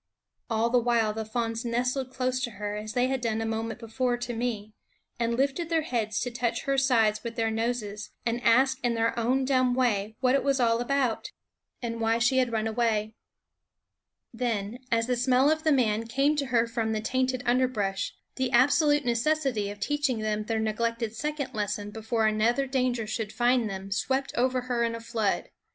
All the while the "THE WHITE FLAG SHOWING LIKE A BEACON LIGHT AS SHE JUMPED AWAY" fawns nestled close to her, as they had done a moment before to me, and lifted their heads to touch her sides with their noses, and ask in their own dumb way what it was all about, and why she had run away. Then, as the smell of the man came to her from the tainted underbrush, the absolute necessity of teaching them their neglected second lesson, before another danger should find them, swept over her in a flood.